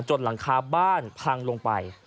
หลังคาบ้านพังลงไป